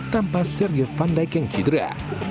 tanpa sergei van dijk yang hidra